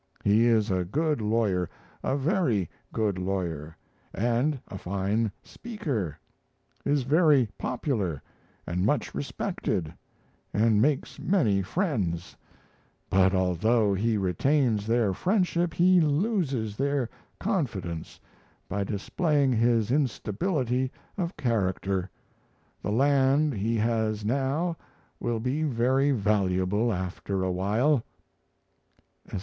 He is a good lawyer a very good lawyer and a fine speaker is very popular and much respected, and makes many friends; but although he retains their friendship, he loses their confidence by displaying his instability of character.... The land he has now will be very valuable after a while 'S.